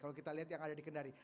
kalau kita lihat yang ada di kendari